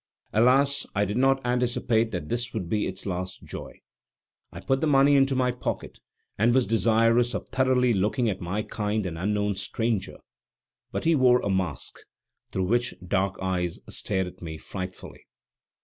Alas, I did not anticipate that this would be its last joy. I put the money into my pocket, and was desirous of thoroughly looking at my kind and unknown stranger; but he wore a mask, through which dark eyes stared at me frightfully.